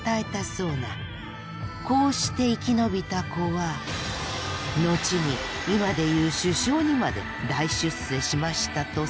こうして生き延びた子は後に今で言う首相にまで大出世しましたとさ。